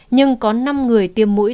nhưng có năm người tiêm mũi